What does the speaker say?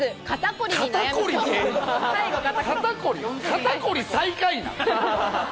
肩凝り最下位なん？